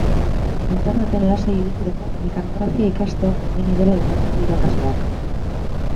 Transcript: Interneten lasai ibiltzeko mekanografia ikastea komeni dela aipatu du irakasleak.